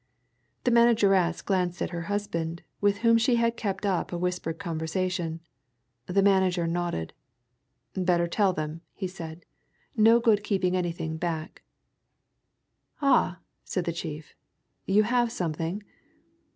The manageress glanced at her husband, with whom she had kept up a whispered conversation. The manager nodded. "Better tell them," he said. "No good keeping anything back." "Ah!" said the chief. "You have something?"